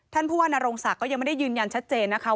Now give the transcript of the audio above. ผู้ว่านโรงศักดิ์ก็ยังไม่ได้ยืนยันชัดเจนนะคะ